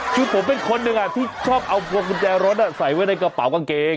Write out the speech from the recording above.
คือผมเป็นคนหนึ่งที่ชอบเอาพวงกุญแจรถใส่ไว้ในกระเป๋ากางเกง